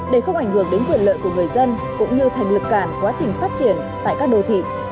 để không ảnh hưởng đến quyền lợi của người dân cũng như thành lực cản quá trình phát triển tại các đô thị